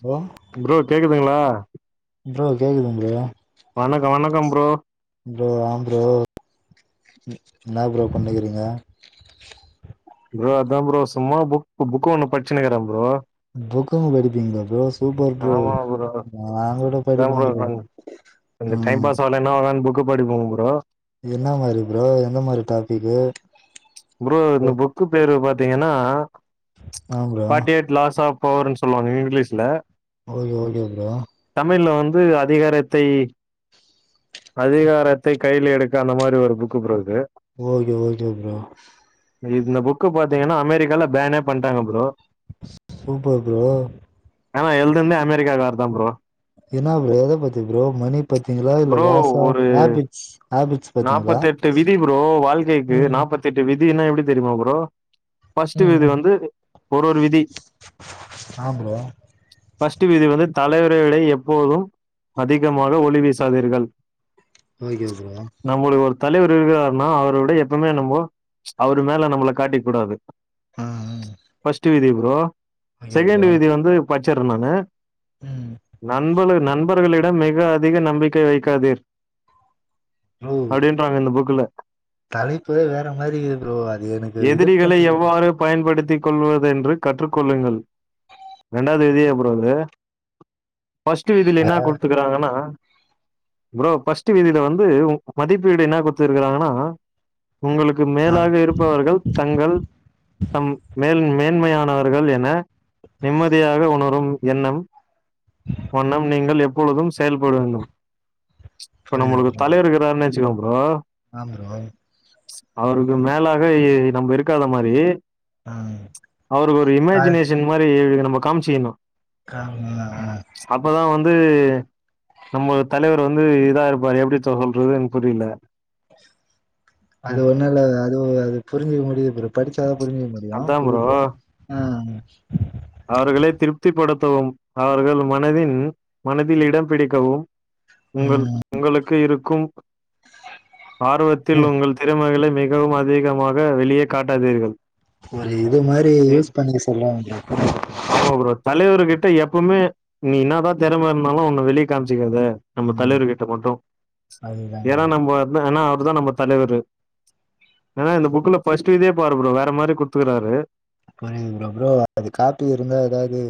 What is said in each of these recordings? Bro bro கேக்குதுங்ளா bro கேக்குதுங் bro வணக்கோ வணக்கம் ப்ரோ ப்ரோ ஆம் ப்ரோ ன் இன்னா ப்ரோ பண்ணுகிறீங்க ப்ரோ அதான் ப்ரோ சும்மா புக் புக்கு ஒன்னு பட்ச்சுனுருக்கே ப்ரோ புக்குங் படிப்பீங்களா ப்ரோஸ் சூப்பர் ப்ரோ ஆமா ப்ரோ நாங்கூட அதா படிப்பே ப்ரோ ம் என்னா ஆவுளானு புக்கு படிப்பங் ப்ரோ என்ன மாரி ப்ரோ எந்த மாரி டாபிக்கு ப்ரோ இந்த புக்கு பேரு பாத்தீங்கன்னா ஆ bro forty eight laws of பவர்ன்னு சொல்லுவாங்க இங்கிலீஷ்ல ஓகே ஓகே ப்ரோ தமிழ்ல வந்து அதிகாரத்தை அதிகாரத்தை கையில எடுக்க அந்த மாரி ஒரு புக்கு ப்ரோ அது ஓகே ஓகே ப்ரோ இந்த புக்கு பாத்தீங்கனா அமெரிக்கால பேனே பண்டாங்க ப்ரோ சூப்பர் ப்ரோ ஆனா எல்துனதே அமெரிக்கா கார்ருதா ப்ரோ என்னா ப்ரோ எத பத்தி ப்ரோ மணி பத்தீங்களா இல்ல ப்ரோ லாஷா ஒரு ஹாபிட்ஸ் ஹாபிட்ஸ் பத்தீங்களா நாப்பத்தெட்டு ம் திட்டு விதினா எப்டி தெரியுமா ப்ரோ ஃபஸ்ட்டு விதிவந்து ஒரு ஒரு விதி ஆ ப்ரோ ஃபஸ்ட் விதி வந்து தலைவர்களை எப்போதும் அதிகமாக ஒளி வீசாதீர்கள் ஓகே ப்ரோ நம்மளுக்கு ஒரு தலைவர் இருக்குறாருனா அவர விட எப்பவுமே நம்மோ அவரு மேல நம்மள காட்டிக்க கூடாது ம் ம் ஃபஸ்ட்டு வீதி ப்ரோ ஓகே செகண்ட் ப்ரோ வீதி வந்து பச்சிருந் நானு ம் நண்பள் நண்பர்களிடம் மிக அதிக நம்பிக்கை வைக்காதீர் அப்டின்றாங்க இந்த புக்கல தலைப்பு தா வேற மாரி இருக்குது ப்ரோ அது எனக்கு இது பண்ணி பயன்படுத்திக் கொள்வது என்று கற்றுக்கொள்ளுங்கள் இரண்டாவது வீதியா ப்ரோ அது ஃபஸ்ட்டு வீதில ஆ என்ன குடுத்துக்றாங்கனா ப்ரோ ஃபஸ்ட்டு வீதில வந்து உ மதிப்பீடு என்ன குத்து இருக்காங்கனா உங்களுக்கு மேலாக இருப் பவர்கள் தங்கள் தம் மேன் மேன்மையானவர்கள் என நிம்மதியாக உணரும் எண்ணம் வண்ணம் நீங்கள் எப்பொழுதும் செயல்படுங்கள் இப்ப புரியுது நம்மளுக்கு புரியுது தலைவர் இருக்குறாருன்னு வச்சுக்கோ ப்ரோ ஆ ப்ரோ அவருக்கு மேலாக இ நம்ம இருக்காத மாரி ஆ அவரு ஒரு ஆ இமேஜினேஷன் மாரி நம்ம காமிச்சிக்கணு [unintelligible] அப்பதா வந்து நம்ம தலைவர் வந்து இதா இருப்பாரு எப்டி சொல்றதுனு எனக்கு புரியல அது ம், ஒன்னு இல்ல அது அது புரிஞ்சுக்க முடியு ப்ரோ படிச்சாதா புரிஞ்சிக்க முடியு முடியு அதான் ப்ரோ புரியுது ஆ அவர்களை திருப்தி படுத்தவும் அவர்கள் மனதின் மனதில் இடம் பிடிக்கவும் உங்கள் ம் உங்களுக்கு இருக்கும் இது ஆர்வத்தில் உங்கள் திறமைகளை மிகவும் அதிகமாக வெளியே காட்டாதீர்கள் ஒரு இது மாரி ஏ யூஸ் பண்ணிக்க சொல்றாங்க ப்ரோ ஆமா ப்ரோ தலைவரு கிட்ட எப்புமே நீ இன்னாதா தெறம இருந்தாலு ஒன்ன வெளிய காமிச்சிக்காத நம்ம ம் தலைவர் கிட்ட மட்டு அதுதா ஏனா ப்ரோ நம்ம இருந்த ஆனா அவரு தா நம்ம தலைவரு ஏனா இந்த புக்ல ஃபஸ்ட்டு இதே பாரு ப்ரோ வேற மாரி குடுத்துக்குறாரு [unintelligible] ப்ரோ ப்ரோ அது காப்பி இருந்தா எதாவது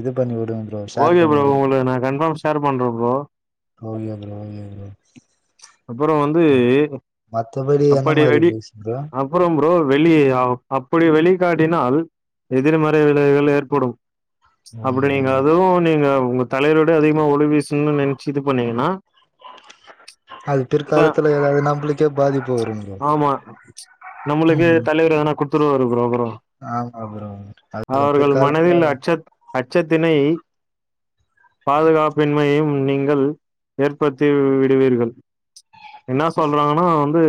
இது பண்ணி உடுங் ப்ரோ ஷேர் ஓகே பண்ணி ப்ரோ விடுங்க உங்குளுக்கு நா கன்ஃபாம் ஷேர் பண்றே bro okay bro okay bro அப்பறோ வந்து ம் மத்தபடி என்ன அப்படி மாரி வெளி இருந்துச்சு ப்ரோ அப்பறோ ப்ரோ வெளி அப்படி வெளிகாட்டினால் எதிர்மறை விளைவுகள் ஏற்படும் ஓகே அப்டி நீங்க ஓகே அதுவு நீங்க உங்க தலைவரோட அதிகமாக ஒளி வீசணுன் நெனைச்சு இது பண்ணீங்கனா அது பிற்காலத்துல எதாது நம்புளுக்கே பாதிப் ஆமா நம்முளுக்கு ம் தலைவர் எதனா குடுத்துருவாரு ப்ரோ அப்றோ ஆமா ப்ரோ [inaudible] பிற்காலத்துல மனதில் அச்சத் அச்சத்தினை பாதுகாப்பின்மையும் நீங்கள் ஏற்படுத்தி விடுவீர்கள் என்னா சொல்றாங்கன்னா வந்து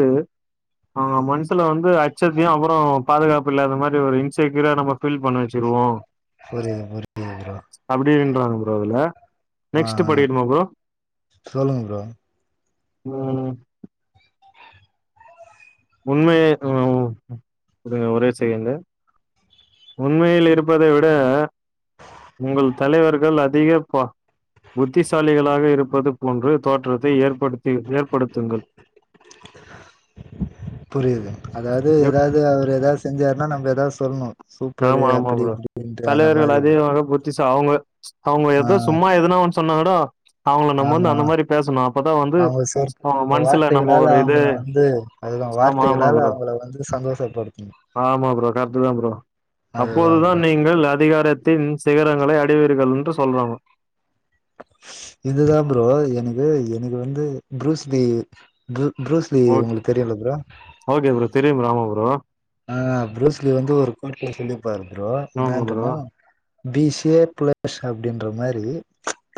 அவங்க மனசுல வந்து அச்சத்தையு அப்றோ பாதுகாப்பு இல்லாத மாரி ஒரு இன்செக்யூரா நம்ம ஃபில் பண்ண வச்சுருவோ புரியிது புரியிது ப்ரோ அப்டின்றாங்க ப்ரோ அதுல ஆ நெக்ஸ்ட் படிக்கட்டுமா ப்ரோ சொல்லுங்க ப்ரோ ம் உண்மைய [inaudible] இருங்க ஒரே செகெண்டு உண்மையில் இருப்பதை விட உங்கள் தலைவர்கள் அதிக பா புத்திசாலிகளாக இருப்பது போன்று தோற்றத்தை ஏற்படுத்தி ஏற்படுத்துங்கள் புரியிது அதாது எதாது அவரு எதாது செஞ்சாருன்னா நம்ம எதாது சொல்ணு ஆமா ஆமா ப்ரோ தலைவர்கள் மாரி அதிகமாக புத் திசு அவுங்க அவுங்க ஆ எதோ சும்மா எதுனா ஒன்னு சொன்னாகூட அவங்கள நம்ம வந்து ஆமா அந்த மாரி பேசணு அப்பதா வந்து அவங்க சொற் அவுங் மனசுல நம்ம வார்த்தைகளால ஒரு இது அவங்கள வந்து அதுதா ஆமா ஆமா வார்த்தைகளாலா ப்ரோ அவங்கள வந்து சந்தோஷப்படுத்துணு ஆமா ப்ரோ கரெட்டுதா ப்ரோ அதுதா அப்போதுதான் ப்ரோ நீங்கள் அதிகாரத்தின் சிகரங்களை அடைவீர்கள் என்று சொல்றாங்க இதுதா ப்ரோ எனக்கு எனக்கு வந்து ப்ரூஸ்லீ ப்ரூ ப்ரூஸ்லி ஓ உங்குளுக்கு தெரியுல ப்ரோ ஓகே ப்ரோ தெரியு ப்ரோ ஆமா ப்ரோ ஆ ப்ரூஸ்லி வந்து ஒரு [inaudible] சொல்லிப்பாரு ப்ரோ ஆமா ப்ரோ என்னான்ட்டுனா தி ஷேப்லெஸ் அப்டின்ற மாரி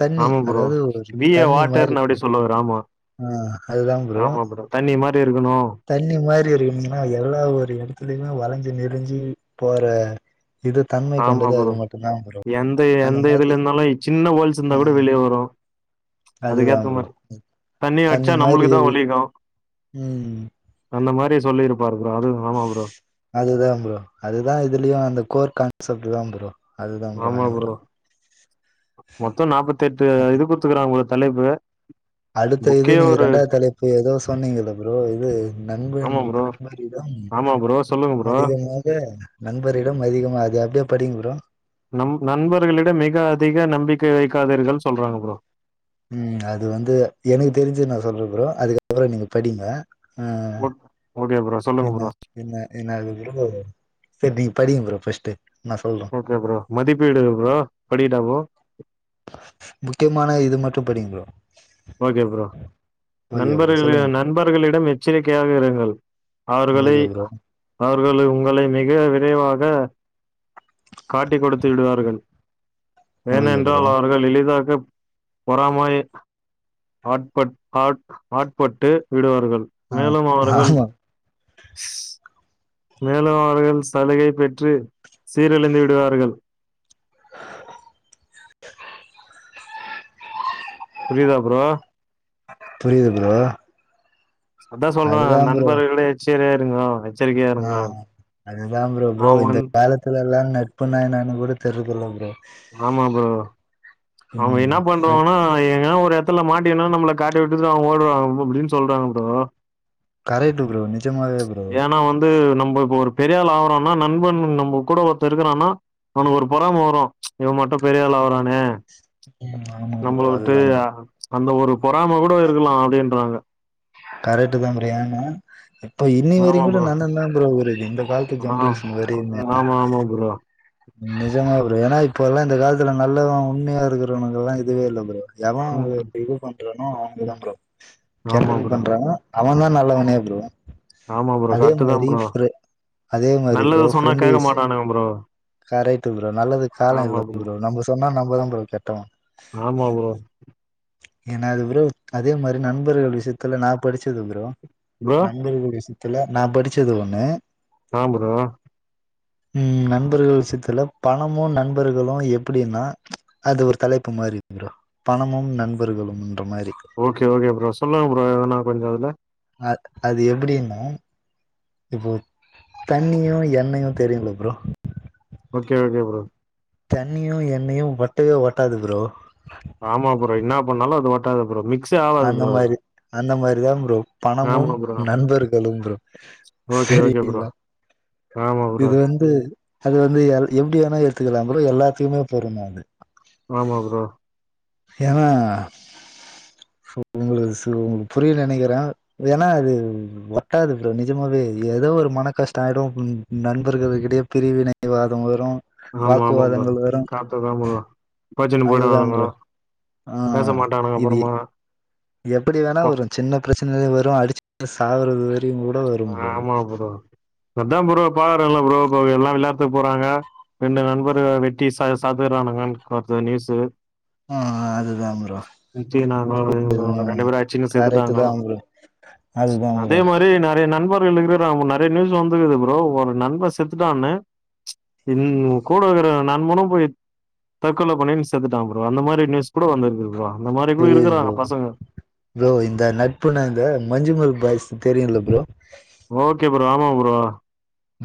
தண்ணி ஆமா ப்ரோ அதாவது ஒரு பி ஏ தண்ணி மாரி வாட்டர்ன்னு அப்டி சொல்லுவாரு ஆமா ஆ அது தா ப்ரோ தண்ணி மாரி இருக்குணு தண்ணி மாரி இருக்கும்னுனா எல்லா ஒரு எடத்துலயுமே வளைஞ்சி நெளிஞ்சு போற இது தன்மை ஆமா கொண்டது அது ப்ரோ மட்டுந்தா ப்ரோ எந்த அந்த எந்த இதுல மாரி இருந்தாலு சின்ன ஹோல்ஸ் இருந்தா ஆ கூட வெளிய வரு அதுதா அதுக்கேத்த ப்ரோ மாரி அடிச்சா தண்ணி மாரி நம்மளுக்கு தா இரு வலிக்கு ம் அந்த மாரி சொல்லியிருப்பாரு ப்ரோ அது ஆமா ப்ரோ அதுதா ப்ரோ அதுதா இதுலயு அந்த கோர் கான்செப்ட் தா ப்ரோ அதுதா ஆமா ப்ரோ நெனைக்கிறே மொத்தோ நாப்பத்தெட்டு இது குடுத்துக்கறாங்க ப்ரோ தலைப்பு அடுத்த இது புக்கே நீங்க ஒரு ரெண்டாவது தலைப்பு ஏதோ சொன்னீங்க ப்ரோ இது [unintelligible] ஆமா அது ப்ரோ மாரிதான் ஆமா ப்ரோ சொல்லுங்க ப்ரோ அதிகமாக நண்பரிடம் அதிகமாக அது அப்டியே படிங்க ப்ரோ நம் நண்பர்களிடம் மிக அதிக நம்பிக்கை வைக்காதீர்கள்னு சொல்றாங்க ப்ரோ ம் அது வந்து எனக்கு தெரிஞ்சு நா சொல்றே ப்ரோ அதுக்கப்றோ நீங்க படிங்க ஓக் ஓகே ப்ரோ சொல்லுங்க என்ன ப்ரோ என்ன என்ன அது செரி நீ படிங்க ப்ரோ ஃபஸ்ட்டு ஓகே ப்ரோ மதிப்பீடு ப்ரோ படிக்கட்டா ப்ரோ முக்கியமான இது மட்டு படிங்க bro okay bro okay bro நண்பர்கள சொல்லுங்க நண்பர்களிடம் எச்சரிக்கையாக இருங்கள் ப்ரோ அவர்களை ஓகே ப்ரோ அவர்களை உங்களை மிக விரைவாக காட்டி குடுத்து விடுவார்கள் ஓகே ப்ரோ ஏனென்றால் அவர்கள் எளிதாக பொறமை ஆட் பட் ஆ ஆட்பட்டு விடுவார்கள் ஆ மேலும் அவர்கள் ஆமா மேலும் அவர்கள் சலுகை பெற்று சீரழிந்து விடுவார்கள் புரியுதா ப்ரோ புரியுது ப்ரோ அதா சொல்றே அதுதா ப்ரோ நண்பர்களே எச்சரியா இருங்கோ எச்சரிக்கையா ஆ இருங்கோ. அதுதா ப்ரோ ப்ரோ அவன் இந்த வந் காலத் த்தில்ல நட்புனா என்னனு கூட தெரியறது இல்ல ப்ரோ ஆமா ப்ரோ அவங்க ம் என்ன பண்றவாங்கன்னா எங்கனா ஒரு த்துல மாட்டினணு நம்மள காட்ட விட்டு அவங்க ஓடுவாங்க அப்டின்னு சொல்றாங்க ப்ரோ கரெட்டு ப்ரோ நிஜமாவே ப்ரோ ஏன்னா வந்து நம்ம இப்ப ஒரு பெரிய ஆள் ஆகுறோன்னா நண்பன் நம்ம கூட ஒருத்த இருக்கிறான்னா அவனுக்கு ஒரு பொறாம வரு இவ மட்டு பெரிய ஆள் ஆவுறானே [inaudible] நம்மள விட்டு அதுதா அந்த ஒரு பொறாம கூட இருக்கலா அப்டின்றாங்க கரெக்ட் தா ப்ரோ ஏன்னா இப்ப இன் வரையு ஆமா கூட ப்ரோ [unintelligible] ப்ரோ இந்த காலத்து ஆ ஜென்ரேஷன் ஆமா ஆமா ப்ரோ நிஜமாவே ப்ரோ ஏன்னா இப்ப எல்லா இந்த காலத்துல நல்லதா உண்மையா இருக்கிறவங்க எல்லா இதுவே இல்ல ப்ரோ எவ ம் இது பண்றானோ அவனுக்குதா ப்ரோ ஆமா கெட்டது ப்ரோ பண்றானோ அவனந்தா நல்லவனோ ப்ரோ ஆமா ப்ரோ அதே கரெட்டு தா மாரி ப்ரோ ஃப்ரெ அதே மாரி நல்லது சொன்னா கேக்க மாட்டானுங்க ப்ரோ கரெட்டு ப்ரோ நல்லது கால இல்ல ப்ரோ நம்ம சொன்னா நம்மதா ப்ரோ கெட்டவ ஆமா ப்ரோ ஏன்னா அது ப்ரோ அதே மாரி நண்பர்கள் விஷயத்துல நா படிச்சது ப்ரோ ப்ரோ நண்பர்கள் விஷயத்துல நா படிச்சது ஒண்ணு ஆ ப்ரோ ம் நண்பர்கள் விஷயத்துல பணமு நண்பர்களு எப்டின்னா அது ஒரு தலைப்பு மாரி ப்ரோ பணமும் நண்பர்களும்ன்ற மாரி ஓகே ஓகே ப்ரோ சொல்லுங்க ப்ரோ எதுன கொஞ்சோ அதுல ஆ அது எப்பிடின்னா இப்போ தண்ணியு எண்ணெயு தெரியுல்ல ப்ரோ ஓகே ஓகே ப்ரோ தண்ணியு எண்ணெயு ஒட்டவே ஒட்டாது ப்ரோ ஆமா ப்ரோ என்னா பண்ணாலு அது ஓட்டாது ப்ரோ மிக் அந்த மாரி அந்த மாரிதா ப்ரோ பணமும் ஆமா ப்ரோ நண்பர்களும் ப்ரோ ஓகே ஓகே ப்ரோ சரிங்களா ஆமா ப்ரோ இது வந்து அது வந்து எல் எப்டி வேணா எடுத்துக்கலா ப்ரோ எல்லாத்துக்குமே பொருந்து அது ஆமா ப்ரோ ஏனா உங்களுக்கு புரியு நெனைக்கிறே ஏனா அது ஒட்டாது ப்ரோ நெஜமாவே ஏதோ ஒரு மன கஷ்டோ ஆயிடு ம் நண்பர்களுக்கிடையே பிரிவினைவாதம் வரும் ஆமா ஆமா ப்ரோ கரெக்டு தா ப்ரோ கோச்சினு அதுதா போயிடுவானுங்கோ ப்ரோ ஆ பேச மாட்டானுங்க இது அப்றமா எப்டி வேணா வரு சின்ன பிரச்சனைல வரு அடிச்சுட்டு சாகுறது வர திம் கூட வரு ப்ரோ ஆமா ப்ரோ அதா ப்ரோ பாகுறோல்லா ப்ரோ இப்ப எல்லா விளாத்துக்கு போறாங்க ரெண்டு நண்பரு வெட்டி ச சாதுரானுங்கன் வருது நியூஸு ஆ அதுதா ப்ரோ குச்சினானுங்கோ ரெண்டு பேரு அச்சின் கரெக்ட் தா செத்துட்டானுங்கோ ப்ரோ அதுதா அதே ப்ரோ மாரி நா எ நண்பர்கள் இருகுறாங்க நெறய நியூஸ்ல வந்துருக்குது ப்ரோ ஒரு நண்பர் செத்துட்டான்னு இன் கூட இருக்ற நண்பனும் போயிட் தற்கொல பண்ணின்னு செத்துட்டா ப்ரோ அந்த மாரி நியூஸ் கூட வந்துருக்கு ப்ரோ அந்த மாதிரி கூட புரியுது இருக்கிறாங்க ப்ரோ பசங்க ப்ரோ இந்த நட்புனா இந்த மஞ்சுமேல் பாய்ஸ் தெரியுல்ல ப்ரோ ஓகே ப்ரோ ஆமா ப்ரோ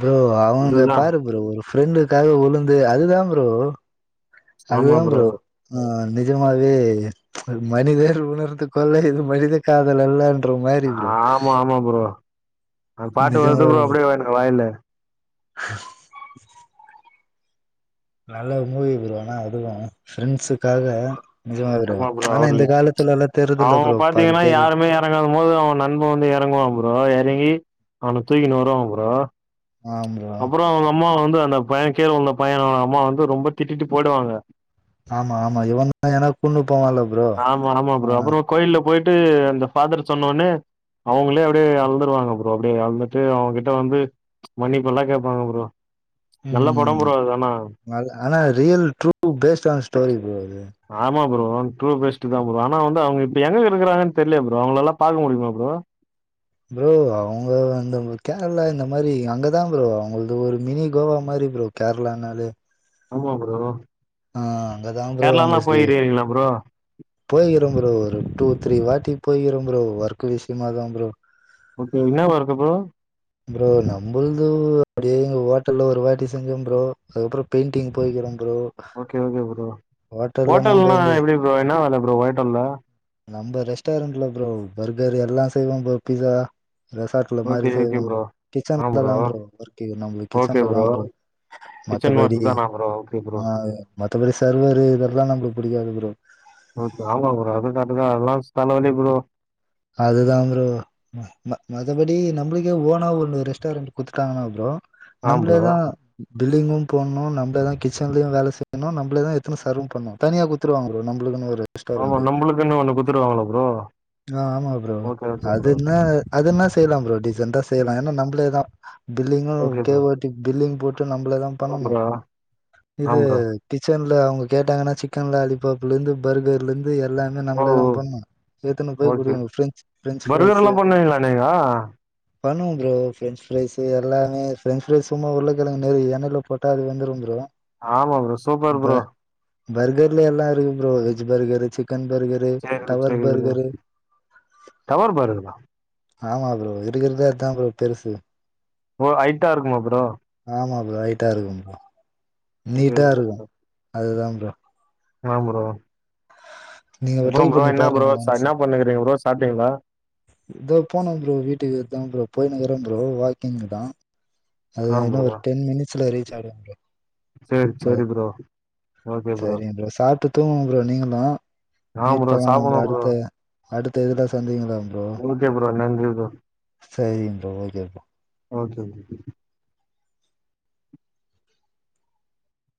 ப்ரோ அவுங்க அதுதான் பாரு ப்ரோ ஒரு ஃப்ரெண்டுக்காக உளுந்து அதுதா ப்ரோ அதுதா ப்ரோ ஆ நெஜமாவே மனிதர் உணர்ந்து கொல்ல இது மனித காதல் அல்ல ஆமா ஆமா ப்ரோ அந் பாட்டு வருது ப்ரோ நிஜமாவே அப்டியே எனக்கு வாய்ல நல்ல மூவி ப்ரோ ஆனா அதுதா ஃப்ரெண்ட்ஸுக்காக நெஜமா ப்ரோ ஆமா ஆனா அவரு இந்த காலத்துல எல்லா தெரிதுல்ல ப்ரோ பாதி பேரு எறங்குறம் போது அவ நண்ப வந்து எறங்குவா ப்ரோ எறங்கி அவன தூக்கினு வருவாங்க ப்ரோ ஆம் ப்ரோ அப்றோ அவுங்க அம்மா வந்து அந்த பைய கீழ விழுந்த பையனோட அம்மா வந்து ரொம்ப திட்டிட்டு போயிடுவாங்க ஆமா ஆமா இவன் ஏனா குன்னு போவால்ல ஆமா ஆமா ப்ரோ அப்றோ கோயில்ல போயிட்டு அந்த ஃபாதர் சொன்னோன்னே அவுங்களே அப்டியே அழுந்துருவாங்க ப்ரோ அப்டியே அழுதுட்டு அவ கிட்ட வந்து மன்னிப்பெல்லா கேப்பாங்க ப்ரோ நல்ல படோ ப்ரோ அது ஆனா அது ஆனா ரியல் ட்ரூ பேஸ்ட் ஆன ஸ்டோரி ப்ரோ அது ஆமா ப்ரோ ட்ரு பெஸ்ட் தா ப்ரோ ஆனா வந்து அவுங்க இப்ப எங்க இருக்காங்கன் தெரியலய ப்ரோ அவங்கள எல்லா பாக்க முடியுமா ப்ரோ ப்ரோ அவுங்க வந்து கேரளா இந்த மாரி அங்கதா ப்ரோ அவுங்கள்து ஒரு மினி கோவா மாரி ப்ரோ கேரளானாலே ஆமா ப்ரோ ஆ அங்கதா கேரளாலா போயிறீீங்களா ப்ரோ போயிக்றோ ப்ரோ ஒரு டூ த்ரீ வாட்டி போயிக்றோ ப்ரோ ஒர்க் விஷ்யமா தா ப்ரோ ஓக்கே என்னாவா இருக்க ப்ரோ ப்ரோ நம்புள்து அப்டியே எங்க ஹோட்டல்ல ஒரு வாட்டி செஞ்சே ப்ரோ அதுக்கப்றோ பெயிண்டிங் போய்க்கிறே ப்ரோ ஓக்கே ஓக்கே ப்ரோ ஹோட்டல்ல நம்ம ஹோட்டல்னா இந்த எப்டி ப்ரோ என்னா வேல ப்ரோ ஹோட்டல்ல நம்ப ரெஸ்டாரெண்ட்ல ப்ரோ பர்கர் எல்லா செய்வ ப்ரோ பிஸா ரெசார்ட்ல மாறி ஓகே ஓகே செய்வ ப்ரோ கிச்சன்ல தா ப்ரோ ஒர்க்கு நம்மளுக்கு கிச்சன்ல தா ப்ரோ கிச்சன் ஒர்க் மத்தபடி தானா ப்ரோ ஓகே ப்ரோ ஆ மத்தபடி சர்வரு இதெல்லா நம்பளுக்கு புடிக்காது ப்ரோ ஓக்கே வாங்கலா ப்ரோ [unintelligible] தலவலி ப்ரோ அதுதா ப்ரோ ம ம மத்தபடி நம்பளுக்கே ஓனா ஒண்ணு ரெஸ்டாரண்ட் குடுத்துட்டாங்கன்னா ப்ரோ ஆ நம்ளே ப்ரோ தா பில்லிங்கு போட்ணு நம்பளேதா கிச்சன்லயு வேல செய்யணு நம்பளேதா எத்துனு சர்வு பண்ணணு தனியா குடுத்துருவாங்க ப்ரோ நம்பளுக்குன்னு ஒரு ஆமா ரெஸ்டாரண்ட் நம்பளுக்குன்னு ஒண்ணு குடுத்துருவாங்களா ப்ரோ ஆ ஆமா ப்ரோ ஓகே ஓகே அது ப்ரோ என்ன அது என்ன செய்யலா ப்ரோ டீசென்ட்டா செய்லா ஏன்னா நம்பளேதா ஓகே பில்லிங்கு ப்ரோ பில்லிங் போட்டு [unintelligible] நம்பளே தா ஆ பண்ணணு ப்ரோ இது ஆ ப்ரோ கிச்சன்ல அவுங்க கேட்டாங்கன்னா சிக்கன் லாலிபாப்லேந்து பர்கர்லருந்து எல்லா லா ஓ நம்பளேதா ஓ பண்ணும் ஏத்துன்னு போய் ஓகே குடுவங்க பிரெஞ் பிரெஞ்சு பர்கர் பிரைஸ்சு எல்லா பண்ணுவீங்களா நீங்க பண்ணுவ ப்ரோ பிரெஞ்ச் பிரைஸ்சு எல்லாமே பிரெஞ்ச் பிரைஸ் சும்மா உருளக்கேலங்கு மாறி எண்ணெய்ல போட் உட்டா அது விழுந்துரும் ப்ரோ ஆமா ப்ரோ சூப்பர் ப ப்ரோ பர்கர்ல எல்லா இருக்கு bro veg burger chicken burger சேரி டவர் சேரி ப்ரோ பர்கரு டவர் பர்க்கலா ஆமா ப்ரோ இருக்கிறதே அத்தா ப்ரோ பெருசு ஓ ஐட்டா இருக்குமா ப்ரோ ஆமா ப்ரோ ஹைட்டா இருக்கும் ப்ரோ ஓக்கே நீட்டா ஓக்கே இருக்கு வெக்கட்டா அதுதா ப்ரோ ஏன் ப்ரோ நீங்க அப்புறோ ட்ரை ப்ரோ பண்ணி என்னா ப்ரோ பாருங்க என்ன ஒன்ஸு பண்ணுயிருக்கீங்க ப்ரோ சாப்ட்டீங்ளா தோ போனும் ப்ரோ வீட்டுக்கு தா ப்ரோ போய்ன்னு இக்கிறே ப்ரோ வாக்கிங் தா அதுதா ஆ இன்னும் ப்ரோ ஒரு டென் மினிட்ஸ்ல ரீச் ஆயிடுவே ப்ரோ சேரி சேரி ப்ரோ சரிங் ப்ரோ சாப்ட்டு தூங்குங்க ப்ரோ நீங்களும் ஆ மீட் ப்ரோ பண்லா நம்ம சாப்புட்ணு ப்ரோ அடுத்த அடுத்த இதுல சந்திக்கலா ப்ரோ ஒக்கே ப்ரோ நன்றி ப்ரோ சரிங் bro okay bro okay bro